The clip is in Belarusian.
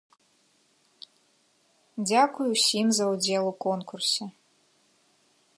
Дзякуй усім за ўдзел у конкурсе.